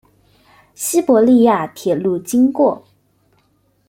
西伯利亚铁路经过。